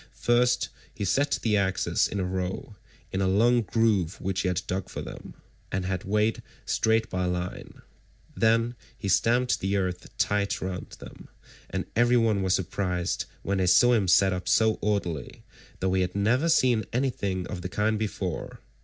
First he set the axes in a row, in a long groove which he had dug for them, and had made straight by line.162 Then he stamped the earth tight round them, and everyone was surprised when they saw him set them up so orderly, though he had never seen anything of the kind before.